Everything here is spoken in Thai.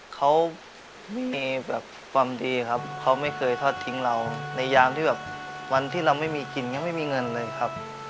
เขามีแบบความดีครับเขาไม่เคยทอดทิ้งเราในยามที่แบบวันที่เราไม่มีกินยังไม่มีเงินเลยครับ